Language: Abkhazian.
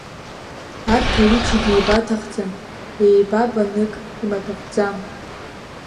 Арҭ аҩыџьагьы еибаҭахӡам, еибабанык имаҭәахәӡам.